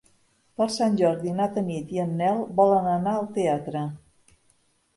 Per Sant Jordi na Tanit i en Nel volen anar al teatre.